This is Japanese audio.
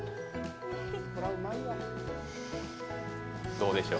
どうでしょう？